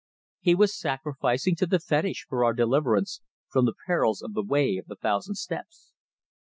He was sacrificing to the fetish for our deliverance from the perils of the Way of the Thousand Steps.